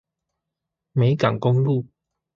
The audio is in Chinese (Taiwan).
美港公路